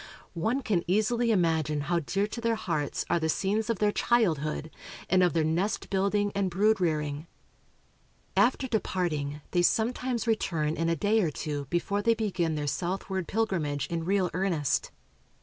One can easily imagine how dear to their hearts are the scenes of their childhood, and of their nest building and brood rearing." After departing, they sometimes return in a day or two before they begin their southward pilgrimage in real earnest.